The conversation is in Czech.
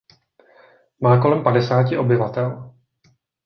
Má kolem padesáti obyvatel.